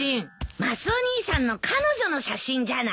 マスオ兄さんの彼女の写真じゃない？